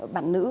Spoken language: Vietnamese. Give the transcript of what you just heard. bạn nữ ạ